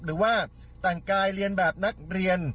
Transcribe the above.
หรือว่าแต่งกายเรียนแบบนักเรียน